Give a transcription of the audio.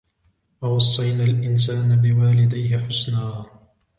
وَوَصَّيْنَا الْإِنْسَانَ بِوَالِدِيهِ حُسْنًا